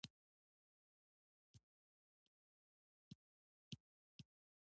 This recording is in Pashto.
کرنیز اقتصاد د تولید په فصلي څرخ ولاړ و.